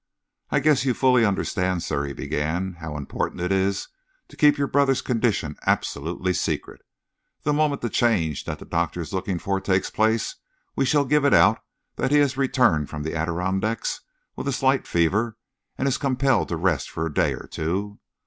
"I guess you fully understand, sir," he began, "how important it is to keep your brother's condition absolutely secret. The moment the change that the doctor is looking for takes place, we shall give it out that he has returned from the Adirondacks with a slight fever and is compelled to rest for a day or two.